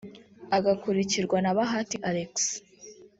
agakurikirwa na Bahati Alex